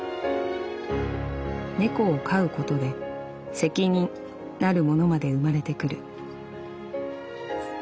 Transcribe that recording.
猫を飼うことで『責任』なるものまで生まれてくる」。